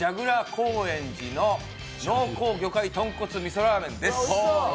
高円寺の濃厚魚介豚骨味噌ラーメンです。